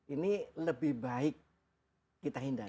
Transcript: ini lebih baik kita hindari